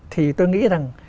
thì tôi nghĩ rằng